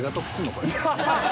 これ。